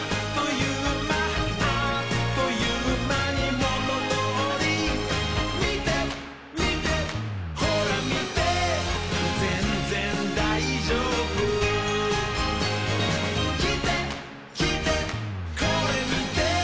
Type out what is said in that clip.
「あっというまにもとどおり」「みてみてほらみて」「ぜんぜんだいじょうぶ」「きてきてこれみて」